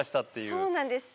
そうなんです。